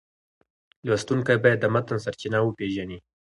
لوستونکی باید د متن سرچینه وپېژني.